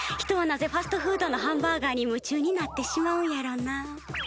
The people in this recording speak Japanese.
人はなぜファストフードのハンバーガーに夢中になってしまうんやろな。